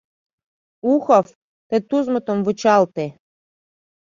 — Ухов, тый Тузмытым вучалте.